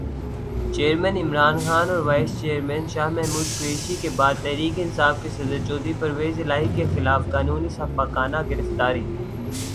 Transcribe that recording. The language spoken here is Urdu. چیئرمین عمران خان اور وائس چیئرمین شاہ محمود قریشی کے بعد تحریک انصاف کے صدر چودھری پرویزالہٰی کی خلافِ قانون سفّاکانہ گرفتاری